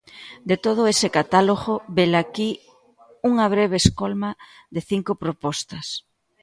De todo ese catálogo velaquí unha breve escolma de cinco propostas.